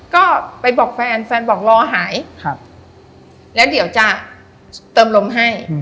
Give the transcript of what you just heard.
ก็ไปบอกแฟนแฟนบอกรอหายแล้วเดี๋ยวจะเติมลมให้